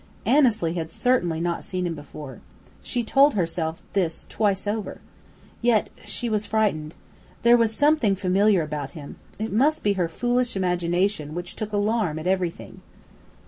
Annesley had certainly not seen him before. She told herself this twice over. Yet she was frightened. There was something familiar about him. It must be her foolish imagination which took alarm at everything!